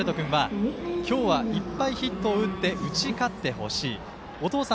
はると君は今日はいっぱいヒットを打って打ち勝ってほしい。